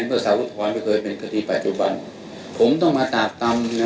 เพราะสาวทรไม่เคยเป็นคดีปัจจุบันผมต้องมาตากตำ